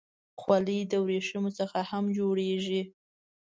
خولۍ د ورېښمو څخه هم جوړېږي.